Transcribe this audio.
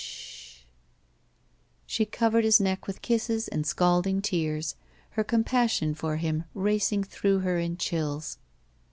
Sh h!" She covered his neck with kisses and scalding tears, her compassion for him racing through her in chills.